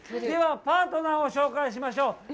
では、パートナーを紹介しましょう。